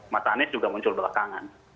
mata anies juga muncul belakangan